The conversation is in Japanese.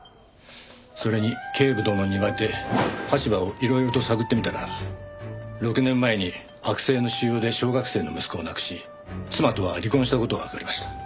それに警部殿に言われて羽柴をいろいろと探ってみたら６年前に悪性の腫瘍で小学生の息子を亡くし妻とは離婚した事がわかりました。